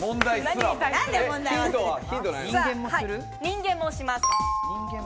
人間もします。